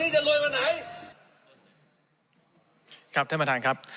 ไม่รวยวันที่จะรวยวันไหนครับท่านมาทางครับ